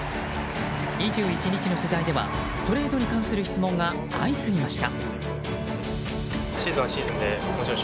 ２１日の取材ではトレードに関する質問が相次ぎました。